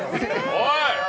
おい！